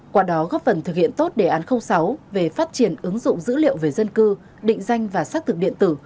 qua đó góp phần thực hiện tốt đề án sáu về phát triển ứng dụng dữ liệu về dân cư định danh và xác thực điện tử